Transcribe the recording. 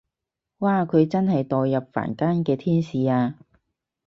哇佢真係墮入凡間嘅天使啊